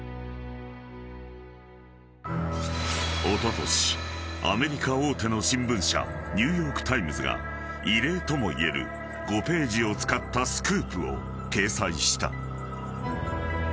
［おととしアメリカ大手の新聞社ニューヨーク・タイムズが異例ともいえる５ページを使ったスクープを掲載した］